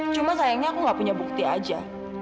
cuma sayangnya aku nggak punya bukti aja